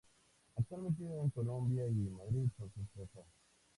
Actualmente vive en Colombia y Madrid, con su esposa.